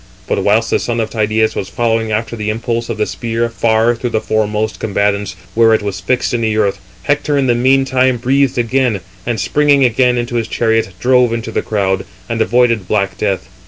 But whilst the son of Tydeus was following after the impulse of the spear far through the foremost combatants, where it was fixed in the earth, Hector, in the meantime, breathed again, and springing again into his chariot, drove into the crowd, and avoided black death.